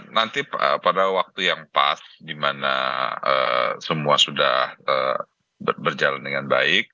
nanti pada waktu yang pas di mana semua sudah berjalan dengan baik